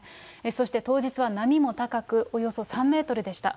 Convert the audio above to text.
そして当日は波も高く、およそ３メートルでした。